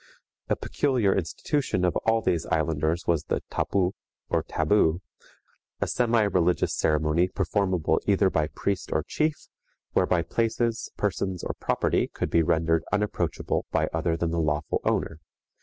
A peculiar institution of all these islanders was the tapu or taboo, a semi religious ceremony performable either by priest or chief, whereby places, persons, or property could be rendered unapproachable by other than the lawful owner.